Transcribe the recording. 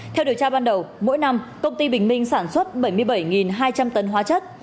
theo điều tra ban đầu mỗi năm công ty bình minh sản xuất bảy mươi bảy hai trăm linh tấn hóa chất